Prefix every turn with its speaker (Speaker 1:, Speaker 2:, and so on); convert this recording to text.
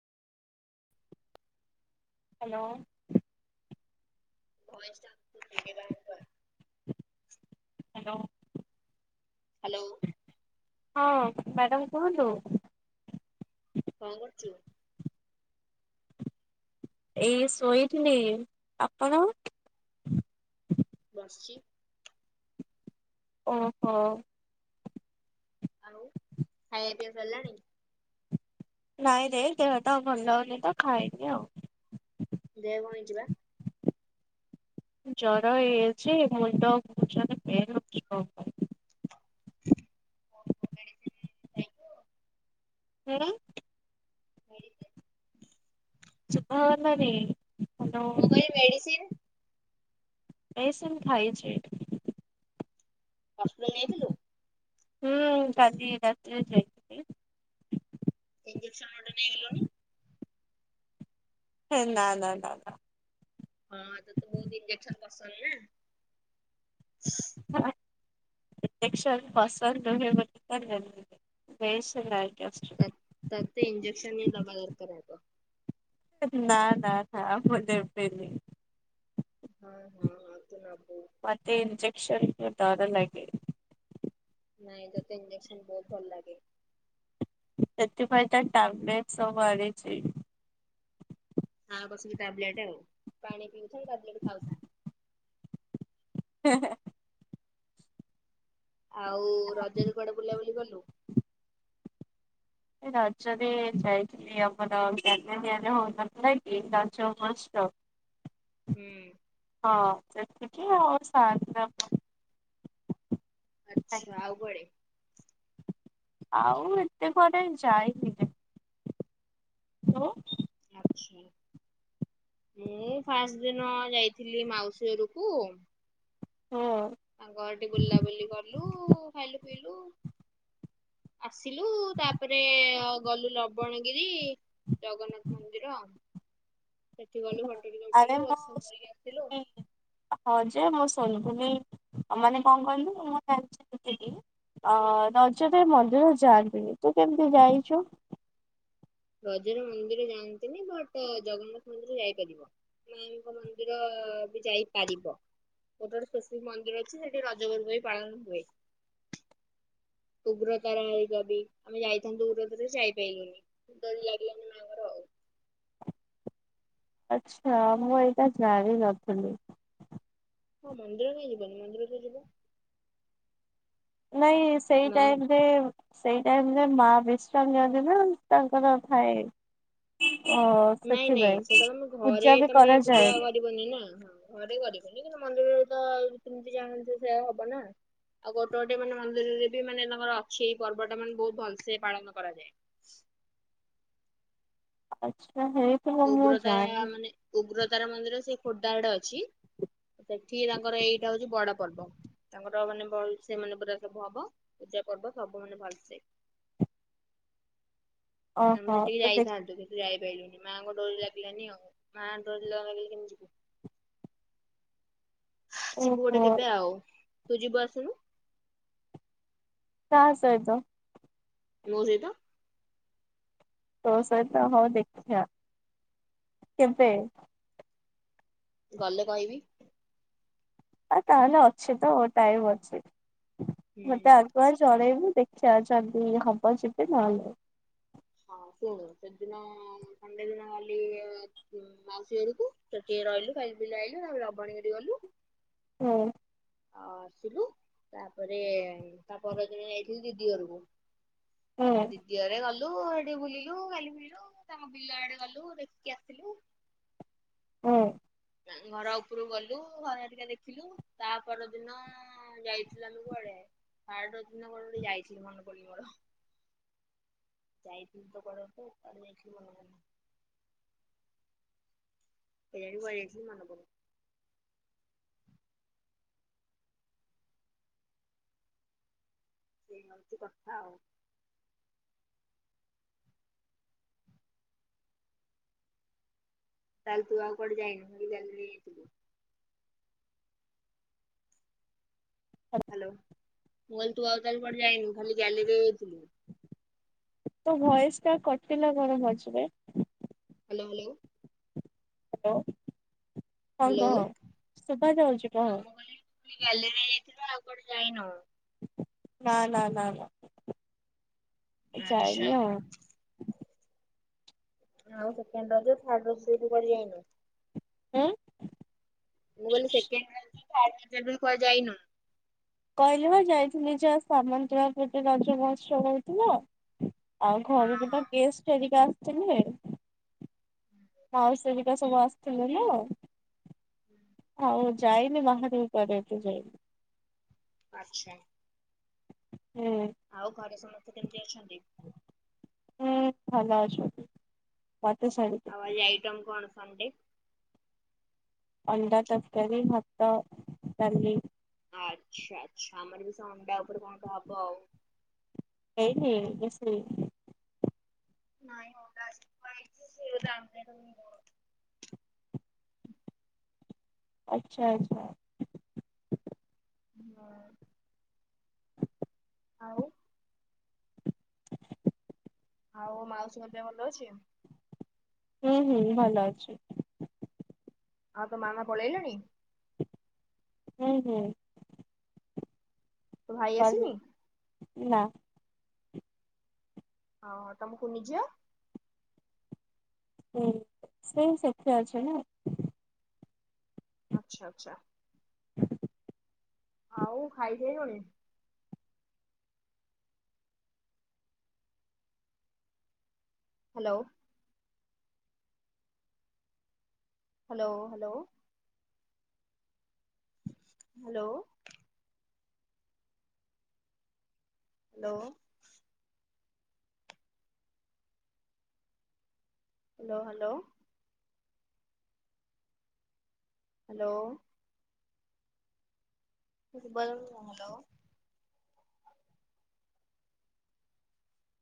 Speaker 1: Hello
Speaker 2: voice ଟା ବା
Speaker 1: hello
Speaker 2: hello
Speaker 1: ହଁ ମ୍ୟାଡ଼ାମ କୁହନ୍ତୁ
Speaker 2: କଣ କରୁଛୁ
Speaker 1: ଏଇ ଶୋଇଥିଲି ଆପଣ
Speaker 2: ବସିଛି
Speaker 1: ଓହୋ
Speaker 2: ଆଉ ଖାଇବା ପିଇବା ସାରିଲାଣି
Speaker 1: ନାଇଁ ଦେଖ ଦେହ ତଉ ଭଲ ହଉନି ତ ଖାଇନି ଆଉ
Speaker 2: ଦେହ ଗଇ ଯିବା
Speaker 1: ଜରା ହେେ ମୁ ଟଷ ଫେ
Speaker 2: [unintelligible]
Speaker 1: ହଁ ହ ନାନେ
Speaker 2: ମ କ ଏ ମେଡିସିନ୍
Speaker 1: ବସନ ଖାଇଛି
Speaker 2: ହସ୍ପିଟାଲ ନେଇଥିଲୁ
Speaker 1: ହୁଁ ଗାଲି ରା
Speaker 2: ଇଞଜେକ୍ସନ ଗୋଟେ ନେଇଗଲଣି
Speaker 1: ହେ ନା ନା ନା ନା
Speaker 2: ହଁ ତ ତ ବହୁତ ଇଞ୍ଜେକ୍ସନ ପସନ୍ଦ ନା
Speaker 1: ହଁ େନ୍ ବସନ୍ଦୁ ବସ ଆକ ଅୁ
Speaker 2: ତ ଞଜେକ୍ସନ ହଇ ଦବା ଦରକାରାକ
Speaker 1: ନା ନା ମୁ ଦେେବେିଲ
Speaker 2: ହଁ ହଁ ହ ତ ଲବୁ
Speaker 1: ମତେ ଞଜେସନ୍ ତାାର ଲାଗ
Speaker 2: ନାଇଁ ଯୋତେ ଇଞ୍ଜେକ୍ସନ ବହୁତ ଭଲ ଲାଗେ
Speaker 1: ସେଥି ପାଇଁାଇ ତା ଟ୍ୟାବଲେଟ ସ ବଛି
Speaker 2: ହଁ କଶୁ ଟ୍ୟାବଲେଟ ହେଉ ପାଣି ପିଉଛ ଟବଲେଟ ଖାଉଛ
Speaker 1: ହଁ ହଁ
Speaker 2: ଆଉ ରଜରେ କଡ ବୁଲାବୁଲି କଲୁ
Speaker 1: ଏ ରଜରେ ଯାଇଥିଲି ମ ଜ ନିଆଲେ ହନ ନାକ ଦଞ୍ଚ ମଷ୍ଟ
Speaker 2: ହୁଁ
Speaker 1: ହଁ ସେତିକି ଆଉ ଶା [unintelligible]
Speaker 2: ଆଚ୍ଛା ଆଉ କୁଆଡେ।
Speaker 1: ଆଉ ଏତେ କୁଆଡେ ଯାଇନି ଯେ। ଲୋ।
Speaker 2: ଆଛି ମୁଁ ଫାଷ୍ଟ ଦିନ ଯାଇଥିଲି ମାଉସୀ ଘରକୁ।
Speaker 1: ହଁ।
Speaker 2: ତାଙ୍କ ଘଟି ବୁଲାବୁଲି କଲୁ ଖାଇଲୁ ପିଇଲୁ। ଆସିଲୁ ତାପରେ ଗଲୁ ଲବଣଗିରି ଜଗନ୍ନାଥ ମନ୍ଦିର ସେଠି ଗଲୁ ଫଟ ଟିକେ ଉଠେଇଲୁ ଦର୍ଶନ କରିକି ଆସିଲୁ।
Speaker 1: ହଉ ଯେ ମୁଁ [unintelligible] ମାନେ କଣ କହିଲୁ ମୁଁ [unintelligible] ଅ ରଜରେ ମନ୍ଦିର ଯାଆନ୍ତିନି ତୁ କେମିତି ଯାଇଚୁ।
Speaker 2: ରଜରେ ମନ୍ଦିର ଯାଆନ୍ତିନି ବଟ ଜଗନ୍ନାଥ ମନ୍ଦିର ଯାଇପାରିବ। ମାଙ୍କ ମନ୍ଦିର ବି ଯାଇପାରିବ। ଗୋଟେ ଗୋଟେ ସ୍ପେଶିଫିକ ମନ୍ଦିର ଅଛି ସେଠି ରଜ ପର୍ବ ବି ପାଳନ ହୁଏ। ଉଗ୍ରତାରା ମନ୍ଦିର ବି ଆମେ ଯାଇଥାନ୍ତୁ ରଜରେ ଯେ ଯାଇପାଇଲୁନି। ଡୋରି ଲାଗିଲାନି।
Speaker 1: ଆଚ୍ଛା ମୁଁ ଏଇଟା ଜାଣି ନଥିଲି।
Speaker 2: ହଁ ମନ୍ଦିରରେ ଯିବନି ମନ୍ଦିରରେ ଯିବ।
Speaker 1: ନାଇଁ ସେଇ
Speaker 2: ନା
Speaker 1: ଟାଇମ୍ ରେ ସେଇ ଟାଇମ ରେ ମା ବିଶ୍ରାମ ନିଅନ୍ତି ନା ତାଙ୍କର ଥାଏ ଅ
Speaker 2: ନାଇଁ ନାଇଁ
Speaker 1: ସେଥିପାଇଁ
Speaker 2: ସେଇଟା ତମେ ଘରେ
Speaker 1: ପୂଜା ବି
Speaker 2: ତମେ ପୂଜା
Speaker 1: କରାଯାଏନି
Speaker 2: କରିବନି ନା ହଁ। ଘରେ କରିବନି କିନ୍ତୁ ମନ୍ଦିରରେ ତ ନୀତି ନୀତି ଯାହା ଥିବ ସେଇୟା ହବ ନା। ଆଉ ଗୋଟେ ଗୋଟେ ମାନେ ମନ୍ଦିରରେ ବି ମାନେ ତାଙ୍କର ଅଛି ଏଇ ପର୍ବ ଟା ମାନେ ବହୁତ ଭଲସେ ପାଳନ କରାଯାଏ।
Speaker 1: ଆଚ୍ଛା ହେଇଥିବ ମୁଁ
Speaker 2: ଉଗ୍ରତାରା
Speaker 1: ଜାଣିନି।
Speaker 2: ମାନେ ଉଗ୍ରତାରା ମନ୍ଦିର ସେ ଖୋର୍ଦ୍ଧାଡେ ଅଛି ସେଠି ତାଙ୍କର ଏଇଟା ହଉଛି ବଡ ପର୍ବ ତାଙ୍କର ମାନେ ଭଲ ସେ ମାନେ ପୁରା ସବୁ ହବ ପୂଜା ପର୍ବ ସବୁ ମାନେ ଭଲସେ। ଆମେ
Speaker 1: ଓହୋ
Speaker 2: ସେଠିକି
Speaker 1: ତ ଦେଖ
Speaker 2: ଯାଇଥାନ୍ତୁ କିନ୍ତୁ ଯାଇପାଇଲୁନି ମାଆଙ୍କ ଡୋରି ଲାଗିଲାନି ଆଉ ମାଆଙ୍କ ଡୋରି ନ ଲାଗିଲେ କେମିତି ଯିବୁ। ଯିବୁ ଗୋଟେ
Speaker 1: ଓହୋ
Speaker 2: କେବେ ଆଉ ତୁ ଯିବୁ ଆସୁନୁ।
Speaker 1: କା ସହିତ।
Speaker 2: ମୋ ସହିତ।
Speaker 1: ତୋ ସହିତ ହଉ ଦେଖିଆ କେବେ
Speaker 2: ଗଲେ କହିବି।
Speaker 1: ଆ ତାହେଲେ ଅଛି ତ ଟାଇମ୍ ଅଛି ମତେ
Speaker 2: ହୁଁ
Speaker 1: ଆଗୁଆ ଜ ଣେଇବୁ ଦେଖିଆ ଯଦି ହବ ଯିବି ନହେଲେ
Speaker 2: ହଁ ଶୁଣୁ ସେ ଦିନ ସଣ୍ଡେ ଦିନ ଗଲି ଉ ମାଉସୀ ଘରକୁ ସେଠି ରହିଲୁ ଖାଇଲୁ ପିଇଲୁ ଆଇଲୁ ତାପରେ ଲବଣଗିରିଗଲୁ।
Speaker 1: ହଁ।
Speaker 2: ଆ ଆସିଲୁ ତାପରେ ତା ପରଦିନ ଯାଇଥିଲି ଦିଦି ଘରକୁ।
Speaker 1: ହୁଁ।
Speaker 2: ଦିଦିଅରେ ଗଲୁ ଏଠି ବୁଲିଲୁ ଖାଇଲୁ ପିଇଲୁ ତାଙ୍କ ବିଲ ଆଡେ ଗଲୁ ଦେଖିକି ଆସିଲୁ।
Speaker 1: ହୁଁ
Speaker 2: ତାଙ୍କ ଘର ଉପରୁକୁ ଗଲୁ ଘର ଟିକେ ଦେଖିଲୁ ତା ପର ଦିନ ହଁ ଯାଇଥିଲୁ ଆମେ କୁଆଡେ ଥାର୍ଡ ଦିନ କୁଆଡେ ଗୋଟେ ଯାଇଥିଲୁ ମନେ ପଡ଼ୁନି ମୋର। ଯାଇଥିଲି ତ କୁଆଡ଼େ ଗୋଟେ କୁଆଡ଼େ ଯାଇଥିଲୁ ମନେ ପଡ଼ୁନି। କେୟଣୀ କୁଆଡେ଼ ଯାଇଥିଲି ମନେ ପଡ଼ୁନି। ଏଇ ହଉଚି କଥା ଆଉ। ତାହେଲେ ତୁ ଆଉ କୁଆଡ଼େ ଯାଇନୁ ଖାଲି ଗ୍ୟାଲେରୀଆ ଯାଇଥିଲୁ। ହ୍ୟାଲୋ ମୁଁ କହିଲି ତୁ ଆଉ ତାହେଲେ କୁଆଡ଼େ ଯାଇନୁ ଖାଲି ଗ୍ୟାଲେରିଆ ଯାଇଥିଲୁ।
Speaker 1: ତୋ ଭୟସ ଟା କଟିଲା କଣ ମଝିରେ।
Speaker 2: Hello hello.
Speaker 1: ହ୍ୟାଲୋ ହଁ
Speaker 2: ହ୍ୟାଲୋ
Speaker 1: କହ ସୁଭସ ରହୁଛି କହ
Speaker 2: ଗଲିରେ ଯାଇଥିବ ଆଉ କଆଡେ ଯାଇନବ
Speaker 1: ନା ନା ନା ନା
Speaker 2: ଆଚ୍ଛା
Speaker 1: ଯାଇନି ଆଉ
Speaker 2: ଆଉ ସେକଣ୍ଡ ରଜ ଦୁୁ କରି ଯାଇନୁ
Speaker 1: ଉଁ
Speaker 2: ମୁଁ କହିଲି ସେ କୁ ଯାଇନୁ
Speaker 1: କହିଲି ହ ଯାଇଥିଲି ଯ ସାମାନ କିବା ପଟେ ରଜମଷ୍ଟ କରଥିଲ ଆଉ ଘରେ
Speaker 2: ହଁ
Speaker 1: କେଟ
Speaker 2: ହଁ
Speaker 1: ଗେଷ୍ଟ ଏଦ ଆସଛି ମାଉସ ା ସବୁ ଆସିଥିଲେ ନା ଆଉ ଯାଇନି ବାହାର ଉପଠୁ ଯାଇନି
Speaker 2: ଆଛା
Speaker 1: ହୁଁ
Speaker 2: ଆଉ ଘରେ ସମସ୍ତେ କେମିତି ଅଛନ୍ତି
Speaker 1: ହୁଁ ଭଲ ଆସ ମତେ ଶାର
Speaker 2: ଆଉ ଆଜି ଆଇଟମ୍ କଣ ସଣ୍ଡେ
Speaker 1: ଅଣ୍ଡ ତରକାରରି ହାତ ତାଲି
Speaker 2: ଆଚ୍ଛା ଆଚ୍ଛା ଆମର ଏ ବି ଅଣ୍ଡା ଉପରେ କଣ କ ହବ ଆଉ
Speaker 1: ଏଇ ବେଶ
Speaker 2: ନା ଓଉ ରରେ ର
Speaker 1: ଆଚ୍ଛା ଆଚ୍ଛା
Speaker 2: ହଁ ଆଉ ଆଉ ମାଉସୀ ମଧ୍ୟ ଭଲ ଅଛି
Speaker 1: ହୁଁ ହୁଁ ଭଲ ଅଛି
Speaker 2: ଆଉ ତ ମାମା ପଳେଇଲେଣି
Speaker 1: ହୁଁ ହୁଁ
Speaker 2: ତୋ ଭାଇ
Speaker 1: କ
Speaker 2: ଆସିନି?
Speaker 1: ନା
Speaker 2: ହଁ ତମ ଶୁନିଯିଅ
Speaker 1: ହୁଁ ସେଇ ସେଥିା ଅଛି ନା
Speaker 2: ଆଚ୍ଛା ଆଚ୍ଛା ଆଉ ଖାଇଦାଇନୁଣି hello hello hello hello hello hello hello hello ତେ ବ ସାଙ୍ଗଲ